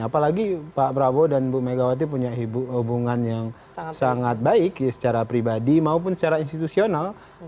apalagi pak prabowo dan bu megawati punya hubungan yang sangat baik secara pribadi maupun secara institusional